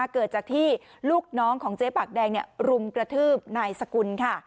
เกิดจากที่ลูกน้องของเจ๊ปากแดงรุมกระทืบนายสกุลค่ะ